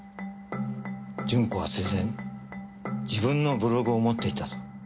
順子は生前自分のブログを持っていたと。